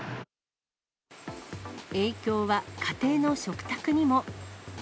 影響は家庭の食卓にも。